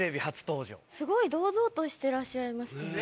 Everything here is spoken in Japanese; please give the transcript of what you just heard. すごい堂々としてらっしゃいました。